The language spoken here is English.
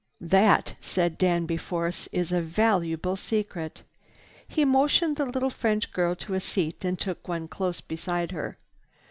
"That," said Danby Force, "is a valuable secret." He motioned the little French girl to a seat and took one close beside her.